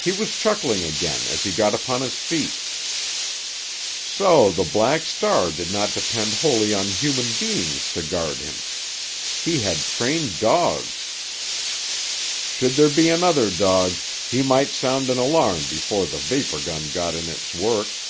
He was chuckling again as he got upon his feet. So the Black Star did not depend wholly on human beings to guard him—he had trained dogs! Should there be another dog, he might sound an alarm before the vapor gun got in its work.